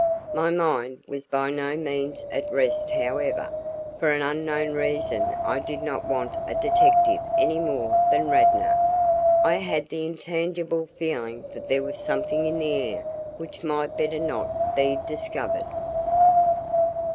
My mind was by no means at rest however; for an unknown reason I did not want a detective any more than Radnor. I had the intangible feeling that there was something in the air which might better not be discovered.